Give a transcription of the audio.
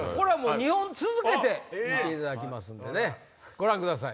２本続けて見ていただきますんでご覧ください。